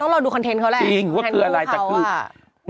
ต้องลองดูคอนเทนต์เขาแหละให้รู้เขาอะแพตตี้จริงว่าคืออะไรแต่คือ